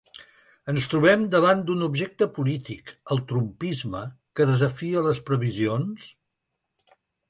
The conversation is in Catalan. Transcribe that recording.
Ens trobem davant d’un objecte polític, el ‘Trumpisme’, que desafia les previsions?